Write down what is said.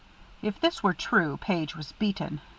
If this were true, Page was beaten.